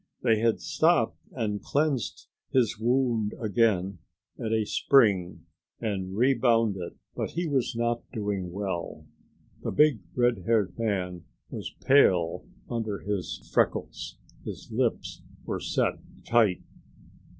They had stopped and cleaned his wound again at a spring and rebound it, but he was not doing well. The big redhaired man was pale under his freckles; his lips were set tight.